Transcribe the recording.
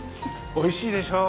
おいしいでしょう！